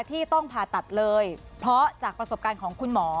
ที่ต้องผ่าตัดเลยเพราะจากประสบการณ์ของคุณหมอ